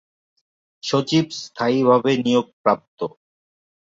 সচিব স্থায়ীভাবে নিয়োগপ্রাপ্ত।